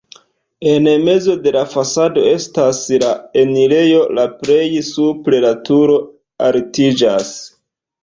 En mezo de la fasado estas la enirejo, la plej supre la turo altiĝas.